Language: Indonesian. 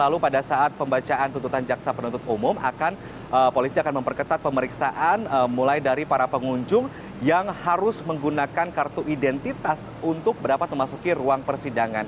lalu pada saat pembacaan tuntutan jaksa penuntut umum akan polisi akan memperketat pemeriksaan mulai dari para pengunjung yang harus menggunakan kartu identitas untuk dapat memasuki ruang persidangan